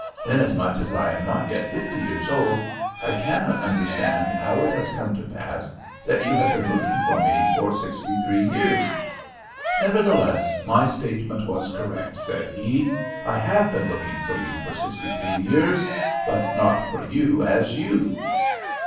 Inasmuch as I am not yet fifty years old, I cannot understand how it has come to pass that you have been looking for me for sixty three years.' "'Nevertheless, my statement was correct,' said he. 'I have been looking for you for sixty three years, but not for you as you.'